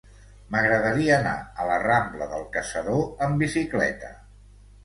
M'agradaria anar a la rambla del Caçador amb bicicleta.